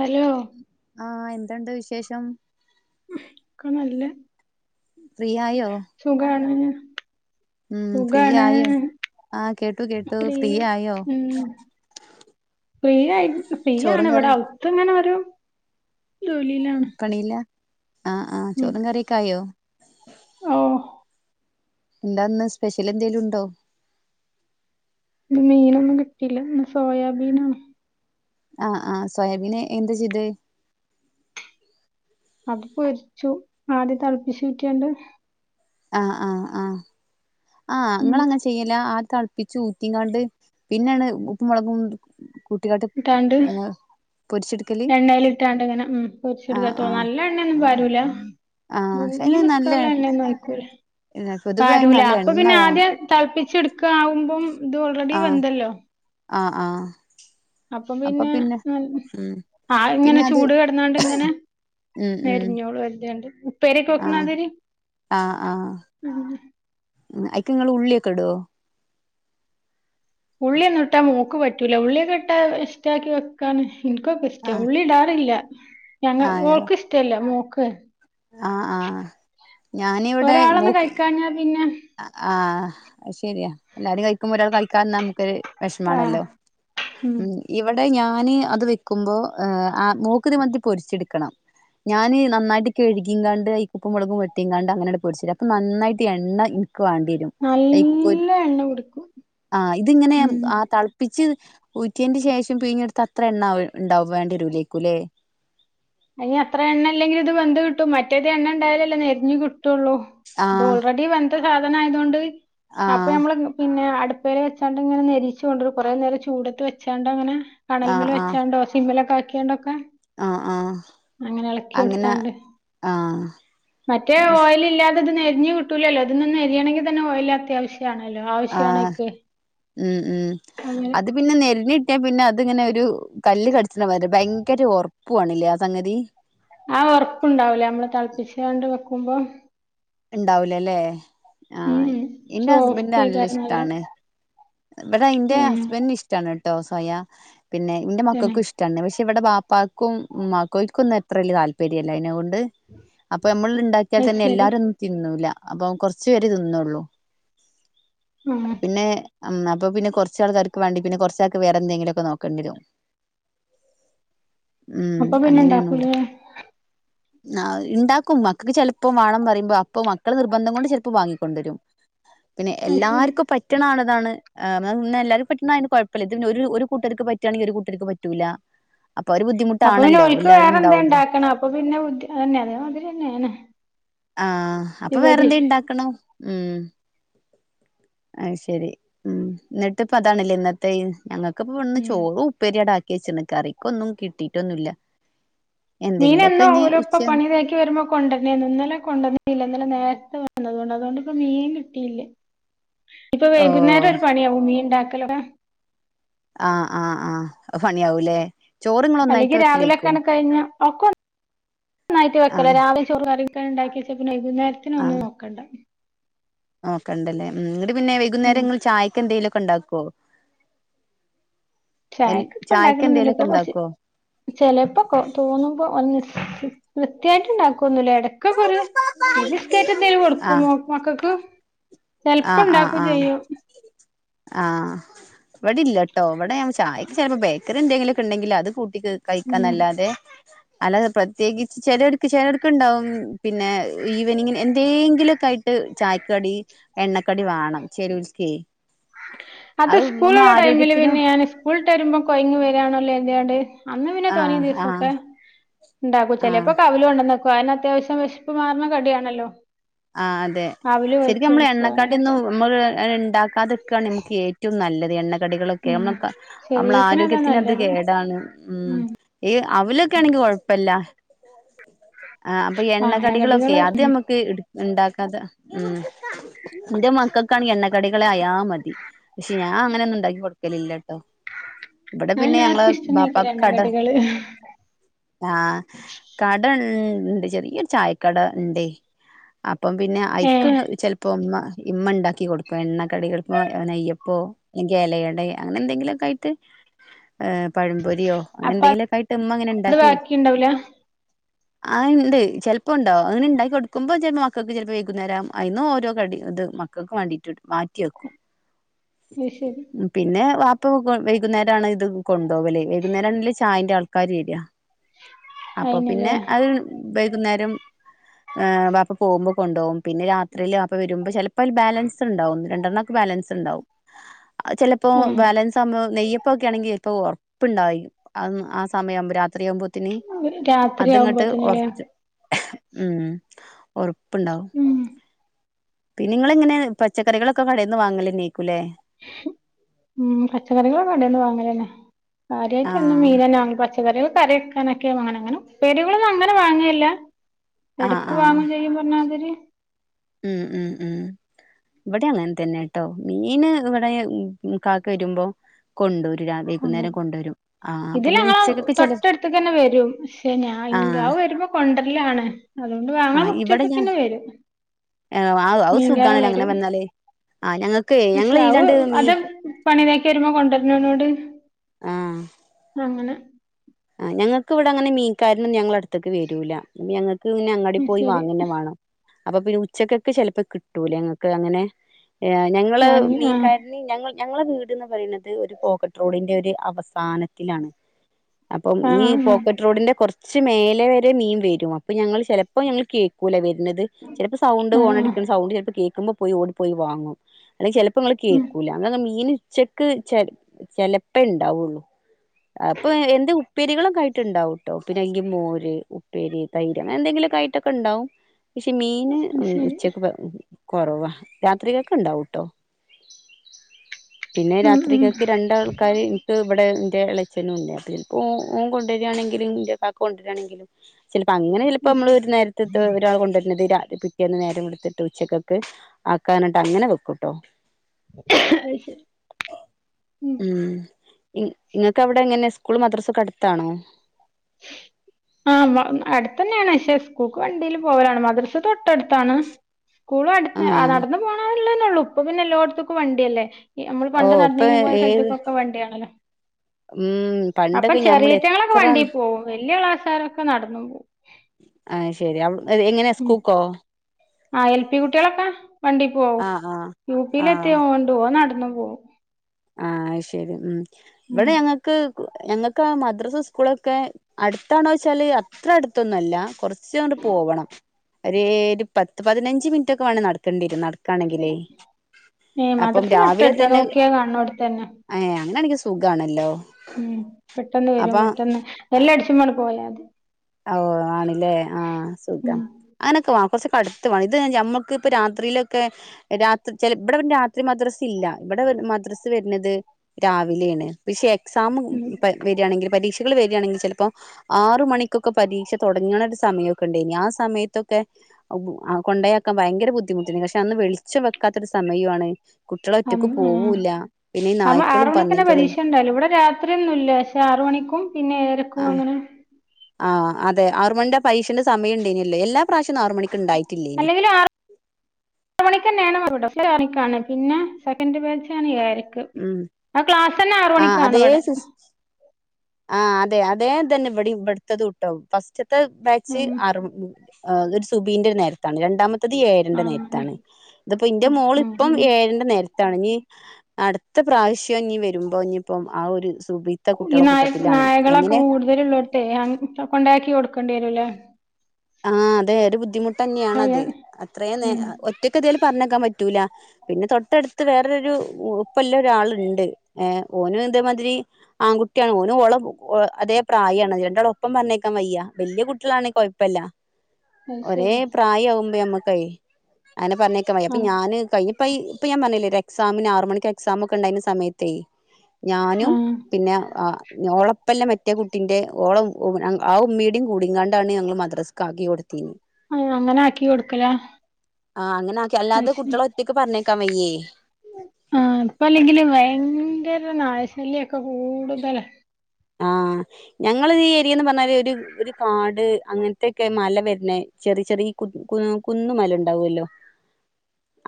Hello ഒക്കെ ആ എന്ത്ണ്ട് വിശേഷം ക്നല്ല ഫ്രീ ആയോ സുഖാണ് ഉം ഫ്രീ സുഖാണ് ആയോ ആ കേട്ടു കേട്ടു ഫ്രീ ആയോ ഉം [unintelligible] ഫ്രീ ആയിണ് ഫ്രീ ചോറും ആണ് കറി വ്ടെ ഔത്ത് ങ്ങനെരു പണിയിലാ ആ ആ ഉം ചോറും കറി യൊക്കെ ആയോ ഓ ന്താന്ന് സ്പെഷ്യൽ എന്തേലും ഉണ്ടോ ന്ന് മീനൊന്നും കിട്ടിയില്ല ഇന്ന് സോയാബീന ആ ആ സോയാബീന് എന്ത് ചൈതേ അത് പൊര്ച്ചു ആദ്യം തളപ്പിച്ചൂറ്റിയാണ്ട് ആ ആ ആ ആ ഉം ങ്ങളങ്ങനെ ചെയ്യലാ ആത് തളപ്പിചൂറ്റിക്കാണ്ട് പിന്നെണ് ഉപ്പും മുളകും ക്ട് ആ എണ്ണയിൽട്ടാണ്ട് ങ്ങനെ പൊര്ച് ആഹ് ട്ക്കാ ആഹ് നല്ല എണ്ണയെന്നും പാരൂല ആഹ് പക്ഷെ മുങ്ങീ അതിന് നല്ല നിക്കാള്ള എണ്ണന്നും അയക്കൂല പൊതുവെ അതിന് പാരൂല നല്ല അപ്പൊ എണ്ണ പിന്നെ വേണം ആദ്യം തളപ്പിച്ചെടുക്കാവുമ്പം ത് ഓൾറെഡി ആഹ് വന്തല്ലോ ആഹ് ആഹ് അപ്പം പിന്നെ ഉം ആ ഇങ്ങനെ പിന്നെ അത് ചൂട് കിടന്നോണ്ട് ഇങ്ങനെ. ഉം ഉം നെരിഞ്ഞോള് വറുത്തെയൊണ്ട് ഉപ്പേരി യൊക്കെ വെക്കുന്ന ആഹ് മതിരി. ആഹ് ആഹ് അയിക്ക് നിങ്ങള് ഉള്ളിയൊക്കെ ഇടുവോ? ഉള്ളിയൊന്നും ഇട്ടാ മോക്ക് പറ്റൂല. ഉള്ളിയൊക്കെ ഇട്ടാ ഇഷ്ടാക്കി വെക്കാണ്. എനിക്കൊക്കെ ഇഷ്ടാ ആഹ് ഉള്ളി ഇടാറില്ല. ഞങ്ങ ആഹ് ഓൾക്ക് ഇഷ്ടല്ലേ മോക്ക്? ആഹ് ആഹ് ഞാനിവിടെ ഒരാളൊന്ന് മോക്ക് കഴിക്കാഞ്ഞാ പിന്നെ? ആഹ് അത്ശരിയാ എല്ലാരും കഴിക്കുമ്പോ ഒരാൾ കഴിക്കാതിരുന്നാ നമുക്കരു ആഹ് വിഷമാണല്ലോ ഉം ഇവിടെ ഞാൻ ഞാന് അത് വെക്കുമ്പോ ആ മോക്ക് തു മന്തി പൊരിച്ചെടുക്കണം. ഞാന് നന്നായിട്ട് കഴുകിയും കൊണ്ട് ഈ ഉപ്പും മുളകും പെരട്ടിയും കൊണ്ട് അങ്ങനെയ പൊരിച്ചെ അപ്പൊ നന്നായിട്ട് എണ്ണ വേണ്ടി വരും നല്ല എണ്ണ കുടിക്കും ആ ഇതിങ്ങനെ ഉം ആ തിളപ്പിച്ച് ഊറ്റിയേൻ്റെ ശേഷം പിഴിഞ്ഞെടുത്ത അത്ര എണ്ണ ഉണ്ടാവോ വേണ്ടിരുലേക്കുംല്ലേ അയിന് എത്രയെണ്ണ ഇല്ലെങ്കിലുമിത് വെന്ത് കിട്ടും. മറ്റേത് എണ്ണണ്ടായാലല്ലെ നെരിഞ്ഞു കി ഇത് ആഹ് ഓൾറെഡി വെന്ത സാധനം ആയത് കൊണ്ട് അപ്പൊ ആഹ് നമ്മള് പിന്നെ അടു പെരെ വെച്ചാണ്ട് ഇങ്ങനെ നരിച്ച കൊണ്ടി കുറേ നേരം ചൂടത്ത് വെച്ചാണ്ട് അങ്ങനെ ആഹ് കണൽമല ആഹ് വെച്ചാണ്ടോ സിമ്മി ലൊക്കെ ആക്കിയാണ്ടൊക്കെ ആഹ് ആഹ്. അങ്ങനെ അങ്ങനെ ഇളക്കിയെടുത്താണ്ട്. ആഹ് അ അത് നെരിഞ്ഞഞ് കിട്ടൂലല്ലോ ഇതൊന്ന് എരിഞ്ഞു കിട്ടൂല്ലല്ലോ ഇതൊന്ന്എരിയണെങ്കിൽ തന്നെ ഓര് അത്യാവശ്യണല്ലോ ആഹ് ആവശ്യണെനിക്ക്. ഉം ഉം അത് പിന്നെ നെരിഞ്ഞി പിന്നെ അതിങ്ങനെ ഒരു കല്ല് കടിച്ച വരെ ഭയങ്കര ഉറപ്പുവാണല്ലേ ആ സംഗതി. ആ ഉറപ്പുണ്ടാവൂല്ലെ നമ്മള് തിളപ്പികച്ചാണ്ട് വെക്കുമ്പോം. ഉണ്ടാവൂലല്ലെ ആഹ് ഉം എന്റെ ഹസ്ബൻഡന്റെ സോഫ്റ്റ് നല്ല ആയിക്കാരം ഇഷ്ടാണ്. ഇവിടെ ഇന്റെ ഏഹ് ഹസ്ബൻഡിന് ഇഷ്ടാണ് കേട്ടോ സോയ. പിന്നെ എന്റെ തന്നെ മക്കൾക്കും ഇഷ്ടാണ്. പക്ഷെ ഇവിടെ ബാപ്പാക്കും ഉമ്മായ്ക്കും അവര് കൊന്നും അത്രലിയ താല്പര്യമല്ല അതിനെണ്ട് അപ്പൊ നമ്മൾ ഉണ്ടാക്കിയാൽ അത് തന്നെ ശരി എല്ലാരും. അപ്പൊ കൊറച്ചു പേരെ തിന്നള്ളൂ. ആഹ് പിന്നെ അന്നെപ്പ പിന്നെ കുറച്ചാൾക്കാർക്ക് വേണ്ടി പിന്നെ കുറച്ചാൾക്ക് വേറെ എന്തെങ്കിലുമൊക്കെ നോക്കങ്കിലും വരു ഉം അപ്പൊ പിന്നെ അങ്ങനെയാണ് ഇണ്ടാക്കൂലേ ഇവിടെ ആ ഉണ്ടാക്കും. മക്കക്ക് ചിലപ്പോം വേണം ന്ന് പറയുമ്പോ അപ്പൊ മക്കളെ നിർബന്ധം കൊണ്ട് ചിലപ്പോ വാങ്ങിക്കൊണ്ടുവരും. പിന്നെ അത് ശരി എല്ലാർക്കും പറ്റണാണ്. എന്താണ്? എല്ലാര്ക്കും പറ്റുന്ന യായതു കൊണ്ട് കുഴപ്പില്ല. ഒരു കൂട്ടർക്ക് പറ്റുകയാണെങ്കിൽ ഒരു കൂട്ടർക്ക് പറ്റൂല്ല. അപ്പൊ പിന്നെ ഒക്ക് വേറെ എന്താ ഉണ്ടാക്കണം. അപ്പൊ പിന്നെ തന്നെ അതേമാതിരി തന്നെയാണ്. ആഹ് അപ്പൊ ഇവടിം വേറെന്ത ഉണ്ടാക്കണോ ഉം. ആ ശരി ഉം എന്നിട്ട്പ്പ അതാണല്ലേ ഇന്നത്തെ ഞങ്ങൾക്ക് ഇടന്ന് ഉം ചോറും ഉപ്പേരി ടെ ആക്കി വെച്ചിണ്. കറിക്കൊന്നും കിട്ടിട്ടൊന്നുമല്ല മീൻ എന്നും ഓളുപ്പ പണിതാക്കി വരുമ്പോ കൊണ്ടരുന്നെയാണ് ഇന്നലെ? കൊണ്ടുവന്നെയില്ല. ഇന്നലെ നേരത്തെ വന്നത് കൊണ്ട്. അതുകൊണ്ടിപ്പ മീൻ കിട്ടിയില്ല. ഇപ്പൊ ഓ വൈകുന്നേരം ഒരു പണിയാവും മീൻ ഉണ്ടാക്കലൊക്കെ? ആഹ് ആഹ് ആഹ് അത് പണിയാവൂല്ലേ? അല്ലെങ്കിൽ രാവിലെയൊക്കെയങ്ട് കഴിഞ്ഞ ഒക്കെ നായിട്ട് വെക്കല ആഹ് രാവിലെ ചോറും കറിയൊക്കെ ഉണ്ടാക്കി വച്ച പിന്നെ ഈ നേരത്തിനൊന്നും നോക്കണ്ട. ഓക്കെ ഉണ്ടല്ലേ? ഉം! പിന്നെ ഉം വൈകുന്നേരം നിങ്ങൾ ചായക്കെന്തേലും? ഉണ്ടാക്കുവോ? ചായക്ക് ഇപ്പ ഉണ്ടാക്കലൊന്നുമില്ല. ഇപ്പൊ കൊറച്ച് ഇണ്ടാക്കോ ചിലപ്പോ തോന്നുമ്പോ ഒന്ന്! നി നിത്യായിട്ട് ഉണ്ടാക്കും. ഒന്നൂല്ല ഇടക്ക് ഒക്കെ ഒരു ബിസ്കറ്റ് എന്തേലും ആഹ് കൊടുക്കുമോ മക്കൾക്ക്? ആഹ്! ആഹ്! ആഹ്! ആഹ്! ഇവിടില്ലട്ടോ ഇവിടെ ഞാൻ ചായയ്ക്ക് ചെലപ്പോ ബേക്കറി എന്തെങ്കിലൊക്കെണ്ടെങ്കില് അത് കൂട്ടി ഉം കഴിക്കാന്നല്ലാതെ. അല്ലതെ പ്രത്യേകിച്ച് ചെലര്ക്ക് ചെലര്ക്ക്ണ്ടാവും പിന്നെ ഈവനിംഗ് എന്തേങ്കിലുക്കെ യിട്ട് ചായ്ക്കടി എണ്ണക്കടി വേണം ചിലോർക്കേ. അത് സ്കൂള്ള്ള ടൈമില് പിന്നെ ഞാന് സ്കൂളിട്ട് വരുമ്പോ കൊയങ്ങി വരാണല്ലേന്തിയാണ്ട് അന്ന് പിന്നെ തോന്നിയ ആഹ് ദിവസൊ ആഹ് ക്കെ ണ്ടാക്കൂ ആഹ് ചെലേപ്പൊക്കെ അവില് കൊണ്ടന്നെക്കും വയറിനു അത്യാവശ്യം വെശ്പ്പ് മാറ്ണ കടിയാണല്ലോ? ആഹ് അതെ അവല് ശരിക്കും കൊഴച്ച് നമ്മള് കൊടുക്കും എണ്ണക്കടിയൊന്നും അങ്ങനൊക്കെ മ്മള് അങ്ങനെ ണ്ടാക്കാതൊക്കാണ് മ്മക്കേറ്റ ഏറ്റവും നല്ലത് എണ്ണ കടികളൊക്കെ ഉം നമ്മക്ക് നമ്മള് ശരീരത്തിന് അതാ ആരോഗ്യത്തിന് അത് നല്ലത് കേടാണ് ഉം ഈ അവലൊക്കെണെങ്കി കൊയപ്പല്ല ആ അപ്പൊ ആ എണ്ണ കടികളൊക്കെ എണ്ണക്കടികള് അത് ഉം ഞമ്മക്ക് ണ്ടാക്കാതെ ഉം ന്റെ മക്കക്കാണെങ്കി എണ്ണക്കടികളായാ മതി പക്ഷെ ഞാൻ അങ്ങനെ ഒന്നും ഒണ്ടാക്കി കൊടുക്കില് ഇല്ലട്ടോ ഇവടെ അത് പിന്നെ ഞങ്ങള് എല്ലാർക്കും ഇഷ്ടന്നേക്കാരം ബാപ്പാക്ക് കട എണ്ണക്കടികള് ആഹ് കടണ്ട് ചെറിയ ചായക്കട ഇണ്ടേ അപ്പം പിന്നെ ഐക്ക് ഏഹ് ചെലപ്പോ ഉമ്മ ഇമ്മ ഉണ്ടാക്കി കൊടുക്കും. എണ്ണക്കടികൾ നെയ്യപ്പോ, അല്ലെങ്ക ഇലയട, അങ്ങനെ എന്തെങ്കിലുമൊക്കെ ആയിട്ട്. ഏഹ് പഴം പൊരിയോ അങ്ങനെ അപ്പ എന്തെങ്കിലുമൊക്കായിട്ട് ഇമ്മ അങ്ങനെ അത് ണ്ടാക്കി ബാക്കി ഉണ്ടാവൂല അത് ആഹ് ഉണ്ട് ചെിലപ്പോ ഉണ്ടോ അങ്ങനെ ഉണ്ടാക്കി കൊടുക്കുമ്പോ ച മക്കൾക്ക് ചിലപ്പോ വൈകുന്നേരം. അയിന് ഓരോ കടി അത് മക്കൾക്ക് വേണ്ടിണ്ട്. മാറ്റി വെക്കും ശരി പിന്നെ ഇപ്പൊ വൈകുന്നേരം ആണ് ഇത് കൊണ്ടോവല്ല്. വൈകുന്നേരം ആണ് ചായന്റെ ആൾക്കാര് വര. അപ്പൊ അയിനല്ലേ പിന്നെ അത് വൈകുന്നേരം. വപ്പ പോമ്പോ കൊണ്ടോകും പിന്നെ രാത്രില് അപ്പോ വരുമ്പോ ചെലപ്പോ അല് ബാലൻസ് ഇണ്ടാവും ഒന്ന് രണ്ടെണ്ണംമക്കെ ബാലൻസ് ണ്ടാവും ചെലപ്പോ ഉം ബാലൻസ് ആവുമ്പോ നെയ്യ ഇപ്പൊക്കെ ആണെങ്കിൽ ഇപ്പൊ ഉറപ്പുണ്ടായി ആ സമയം രാ രത്രിയാമ്പൂത്തിന് രാത്രി അത് ഇങ്ങോട്ട് ആവുമ്പോത്തിനല്ലേ ഉറച്ച്. ഉം ഒറപ്പുണ്ടാവും ഉം പിന്നെ നിങ്ങ ഇങ്ങനെ പച്ചക്കറികളൊക്കെ കടൽന്ന്. വാങ്ങലെന്നേക്കൂലേ? ഉം പച്ചക്കറികളും കണ്ടന്ന് വാങ്ങല് തന്നെ കാര്യായിട്ട് ഒും ആഹ് മീന നെ പ കറി വെക്കാൻ ഒക്കെ വഞല് ഉപേരികൾ ഒന്നും അങ്ങനെ അങ്ങനെ വാങ്ങിലില്ല ആഹ് ഇടക്ക് ആഹ് [unintelligible] മണാതി ഉം ഉം ഉം ഇവിടെ അങ്ങനെ തന്നെ കേട്ടോ മീന് ഇവിടെ കാക്ക വരുമ്പോ കൊണ്ടുവരും. വൈകുന്നേരം [unintelligible] കൊണ്ടുവരും ആഹ് അപ്പൊ ഇതിലങ്ങളെ ഉച്ചക്കൊക്കെ ചെല തൊട്ടടുത്ത തന്നെ വരും പഷേ ഞാ ആഹ് വരുമ്പോ കൊണ്ടരല്ലാണ്. അതുകൊണ്ട് വാങ്ങ ആഹ് ഇവിടെ ഞാൻ മുറ്റത്തെക്ക്യന്നെ വരും അത് മീങ്കാരൻ സുഖാണല്ലോ അങ്ങനെ വരും വന്നാല് ആ ഞങ്ങക്ക് പഷേ ഞങ്ങള് അവ് ഈലാണ്ട് മീ അത് പണിതൊക്കെ വരുമ്പോ കൊണ്ടുവരുന്നനോട് അങ്ങനെ ആ ഞങ്ങക്ക് ഇവിടെ അങ്ങനെ മിക്കാരനും ഞങ്ങ അടുത്തേക്ക് വരൂല്ല ആപ ഞങ്ങക്ക്. ഇന്നെ അങ്ങാടി പോയി ശരി വാങ്ങുന്നെ വേണം. അപ്പൊ പിന്നെ ഉച്ചക്കൊക്ക് ചെിലപ്പോ കിട്ടൂല ങ്ങക്ക് അങ്ങനെ. ഞങ്ങള്ൾ വാങ്ങി ആ മീൻ കാര്ന് ഞങ്ങൾ ഞങ്ങളെ വീട്ന്ന് പറയുന്നത്. ഒരു പോക്കറ്റ്റോഡിന്റെ ഒരു അവസാനത്തിലാണ്. അപ്പം ആ ഈ ആ പോക്കറ്റ് റോഡിന്റെ കുറച്ച് കുറച്ച് മേലെ വരെ മീൻ വരും. അപ്പൊ ഞങ്ങൾ ചിലപ്പോ ഞങ്ങൾ കേൾക്കൂല വര നട് ചിലപ്പോ സൗണ്ട് ആ ആ ആ ഓണടിക്കണ സൗണ്ട് ചിലപ്പോ കേൾക്കുമ്പോ പോയി ഓടി പോയി വാങ്ങും. അല്ലെ ചെലപ്പോ ഇങ്ങള് ഉം കേക്കൂല്ല അങ്ങങ്ങ് മീന് ഉച്ചക്ക് ച ചെിലപ്പ ഉണ്ടാവുള്ളൂ. അപ്പൊ എ ഉപ്പേരികളും കയിട്ട്ണ്ടാവുംട്ടോ പിന്നെങ്കി മോര്, ഉപ്പേരി, തൈര്, അങ്ങനെ എന്തെങ്കിലും. കയിട്ടൊക്കെ ഉണ്ടാവും. പക്ഷെ മീന് അത് ശരി ഉച്ചക്ക്. കൊറവാ രാത്രിക്കക്ക് ഉണ്ടാവും പിന്നെ ഉം ഉം രാത്രിക്കക്ക് രണ്ടാൾക്കാര് ഇൻക്ക് ഇവിടെന്റെ എളേച്ചനും ഇല്ലേ ഓ ഓൻ കൊണ്ടുവരികയാണെങ്കിലും എന്റെ കാക്കു കൊണ്ടുവരികയാണെങ്കിലും ചിലപ്പൊ അങ്ങനെ ചിലപ്പോ അത് നമ്മള് ശരി ഒരു നേരത്തെത് ഒരാള് കൊണ്ടുവര്നത് രാ പിറ്റേന്ന് നേരം വെളുത്തിട്ട് ഉച്ചക്കക്ക്‌ ആക്കാന് അങ്ങനെ വെക്കുംട്ടോ അത് ശരി ഉം ഇങ്ങക്ക് അവിടെ എങ്ങനെ സ്കൂൾ മദ്രസ ഒക്കെ അടുത്താണോ ആഹ് അടുത്തന്നെയാണ് പക്ഷെ സ്കൂൾക്ക് വണ്ടീല് പോവലാണ് മദ്രസ് തൊട്ട് തൊട്ടടുത്താണ്. സ്കൂളും അടുത്ത് ആഹ് നടന്ന് പോണോനുള്ളതന്നെയുള്ളൂ ഇപ്പ പിന്നെ എല്ലോടത്തക്കും വണ്ടി അല്ലേ ഈ നമ്മള് ഓ പണ്ട് ഇപ്പൊ നടന്നെനു പോയ ഏത് സ്ഥലത്ത്ക്കൊക്കെ വണ്ടിയാണല്ലോ ഉം അപ്പം പണ്ടൊക്കെ ഞമ്മൾ ചെറിയേറ്റങ്ങളൊക്കെ എത്ര വണ്ടി പോവും വല്യ ക്ലാസരൊക്കെ നടന്നും പോവും അത് ശരി എങ്ങനെയാ സ്കൂൾക്കോ ആഹ് എൽ പി കുട്ടികളൊക്കെ വണ്ടീ പോവും ആഹ് ആഹ് യു പിൽ ആഹ് എത്തിയ ഓണ്ട്. ഓന് നടന്ന് പോകും നടന്നും പോകും ആഹ് അയ്ശരി ഉം ഇവിടെ ഞങ്ങൾക്ക് ഞങ്ങൾക്ക് മദ്രസ് സ്കൂളൊക്കെ അടുത്താണോ ചോയ്ച്ചാല് അത്ര അടുത്തൊന്നും അല്ല കുറച്ച് കുറച്ചങ്ങട്ട് പോകണം. ഒരു ഒരു പത്ത് പതിനഞ്ച് മിനിറ്റ് ഒക്കെ വേണം നടക്കേണ്ടിവരും നടക്ക ഏഹ് മദർസ തൊട്ട് രാവിലെ അടുത്താ നോക്കിയാ കാണണോട്ത്തന്നെ അങ്ങനെയാണെങ്കി സുഖാണല്ലോ ഉം പെട്ടെന്ന് വരും അപ്പൊ പെട്ടെന്ന് ബെല്ലടിച്ചുമ്പൺ പോയ മതി ഓ ആണല്ലേ ആഹ് ഉം സുഖം അങ്ങനൊക്കെ വേണം കുറച്ചൊക്കെ അടുത്ത് വേണം. ഇത് ഞമ്മക്ക് ഇപ്പൊ രാത്രിയിലൊക്കെ രാത്രി ചെലപ്പോ ഇവിടെ രാത്രി മദ്രസ് ഇല്ല ഇവിടെ മദ്രസ് വരുന്നത് രാവിലെയാണ് പക്ഷെ എക്സാം ഉം വരികയാണെങ്കിൽ പരീക്ഷകൾ വരികയാണെങ്കിൽ ചിലപ്പോആറു മണിക്ക് ക്കൊക്കെ പരീക്ഷ തുടങ്ങാന് ഒരു സമയൊക്കെണ്ടെയ്നു ആ സമയത്തൊക്കെ കൊണ്ടോയാക്കാൻ ഭയങ്കര ബുദ്ധിമുട്ട് പക്ഷെ അന്ന് വെളിച്ചം വെക്കാത്തരു സമയോം ആണ്. കുട്ടികള് ഒറ്റക്ക് പോവൂല്ല പിന്നെ ഈ അപ്പ ആറ് നായ്ക്കളും മണിക്കന്നെ പന്നികളും പരീക്ഷയുണ്ടല്ലേ ഇവിടെ രാത്രിയൊന്നുല്ല പക്ഷെ ആറ് മണിക്കും പിന്നെ ഏഴര ക്കും ആഹ് അങ്ങനെ ആഹ് അതെ ആറ് മണിന്റെ പരീക്ഷന്റെ സമയം ഉണ്ടേയ്‌നല്ലോ എല്ലാ പ്രാവശ്യ അല്ലെങ്കിലും ആറ് ആറ് മണിക്ക് തന്നെയാ [unintelligible] [unintelligible] പിന്നെ സെക്കൻഡ് ബാച്ചാണ് ഏഴരക്ക് ഉം ആ ക്ലാസ് തന്നെ ആറ് മണിക്കാണ് ഇവിടെ ആഹ് അതെ അതേ ഇതന്നെ ഇവ്ടുത്തതും ട്ടൊ ഫസ്റ്റ് ത്തെ ബാച്ച് ഉം ആറ് മണി ഒരു സുബ്ഹിന്റെ നേരത്താണ് രണ്ടാമത്തെ മറ്റെത് ഏഴരന്റെ ആഹ് അങ്ങനെ നേരത്താണ്. ഇതിപ്പോ ഇന്റെ ഉം മോൾ ഉം ഇപ്പം ഉം ഏഴരന്റെ നേരത്താണ് ഇഞ്ഞി അടുത്ത പ്രാവശ്യം ഇഞ്ഞി വരുമ്പോ ഇഞ്ഞിപ്പം ആ ഒരു സുബ്ഹീത്ത ഈ കുട്ടികളെ കൂട്ട നായ നായകളൊക്കെ കൂടുതലലുള്ളോട്ത്ത് അങ്ങട് കൊണ്ടാക്കി കൊടുക്കേണ്ടി വരൂല്ലേ ആഹ് അതെ ഒരു ബുദ്ധിമുട്ട് തന്നെയാണത് അത്രയും നേ ഉം ഒറ്റക്കതി പറഞ്ഞയക്കാൻ പറ്റൂല. പിന്നെ തൊട്ടടുത്ത് വേറൊരു ഒപ്പല്ല ഒരാളുണ്ട് ഏഹ് ഓന് ഇതേ മാതിരി ആൺകുട്ടിയാണ്. ഓനും ഓളെ അതേ പ്രായാണ്. രണ്ടാളേം ഒപ്പം പറഞ്ഞയക്കാൻ വയ്യ വല്യ കുട്ടികളാണെ കുഴപ്പല്ല. അത് ഒഒരേ ശരി പ്രായാകുമ്പോ നമ്മക്കെയ് അങ്ങനെ പറഞ്ഞയക്കാൻ വയ്യ. അപ്പൊ ആഹ് ഞാന് കൈഞ്ഞ ഇപ്പ ഞാൻ പറഞ്ഞിലെ ഒരു എക്സാമിന് ആറ് മണിക്ക് എക്സാമൊക്കെ ഇണ്ടായിന്ന സമയത്തെയ് സമയത്ത് ഞാനും ആഹ് പിന്നെ ആ ഓളപ്പല്ല മറ്റേ കുട്ടിന്റെ ഓളെ ആ ഉമ്മയുടീം കൂടീങ്ങാണ്ടാണ് ഞങ്ങള് മദ്രസക്ക് ആക്കി കൊടുത്തീന്ന് അങ്ങനെ ആക്കി കൊടുക്കല ആ അങ്ങനെ ആക്കി അല്ലാതെ കുട്ടികള ഒറ്റയ്ക്ക് പറഞ്ഞയക്കാം വയ്യേ ആ അപ്പ അല്ലെങ്കിലും ഭയങ്കര നായശല്യൊക്കെ കൂടുതല ആഹ ഞങ്ങ ഈ ഏരിയന്ന് പറഞ്ഞാല് ഒരു ഒരു കാട് അങ്ങനത്തെൊക്കെ മല വരുന്ന ചെറ ചെറ കുന്നുമല ഉണ്ടാവുമല്ലോ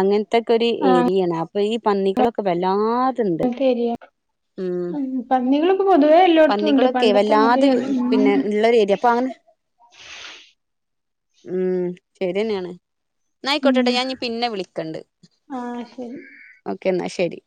അങ്ങ ഇതൊക്ക ഒരു ഏരിയാണ് അപ്പൊ ഈ പന്നികളൊക്കെ വല്ലാ ണ്ട് അങ്ങനത്തെ ഏരിയ ഉം പന്നികളിപ്പോ പൊതുവേ എല്ലായിടത്തും ഉണ്ട് പന്നികളൊക്കെ പണ്ടത്തെ വല്ലാതെ മാതിരിയല്ല പിന്നെ ഉം ഉള്ളൊരു ഏരിയ അപ്പൊ അങ്ങനെ ഉം ശരി തന്നെയാണ് ഉം നയിക്കോട്ടട്ടെ ഞാൻ പിന്നെ വിളിക്കണ്ട് ആഹ് ശരി ഓക്കെ എന്ന എന്നാ ശരി